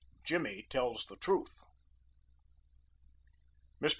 JIMMY TELLS THE TRUTH. Mr.